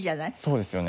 そうですよね。